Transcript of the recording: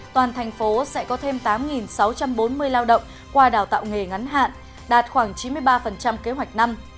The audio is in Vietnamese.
toàn thành phố sẽ có thêm tám sáu trăm bốn mươi lao động qua đào tạo nghề ngắn hạn đạt khoảng chín mươi ba kế hoạch năm